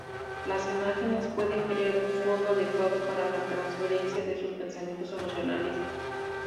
Las imágenes pueden crear un fondo adecuado para la transferencia de sus pensamientos emocionales.